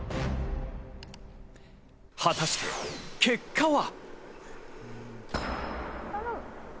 果たして結果は。